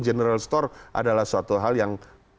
general store adalah suatu hal yang